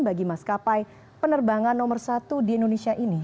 bagi maskapai penerbangan nomor satu di indonesia ini